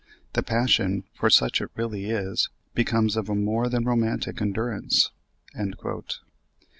The passion, for such it really is, becomes of a more than romantic endurance."